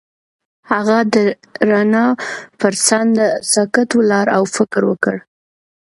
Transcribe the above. هغه د رڼا پر څنډه ساکت ولاړ او فکر وکړ.